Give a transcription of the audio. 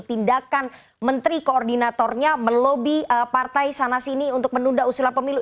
tindakan menteri koordinatornya melobi partai sana sini untuk menunda usulan pemilu